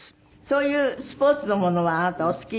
そういうスポーツのものはあなたお好き？